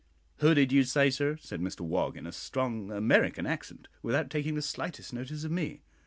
"Who did you say, sir?" said Mr Wog, in a strong American accent, without taking the slightest notice of me.